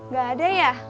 gak ada ya